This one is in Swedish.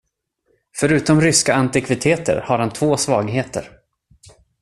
Förutom ryska antikviteter, har han två svagheter.